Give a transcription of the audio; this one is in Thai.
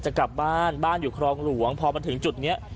จะกลับบ้านบ้านอยู่ครองหลวงพอมาถึงจุดนี้